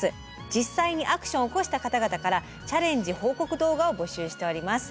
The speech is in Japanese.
実際にアクションを起こした方々からチャレンジ報告動画を募集しております。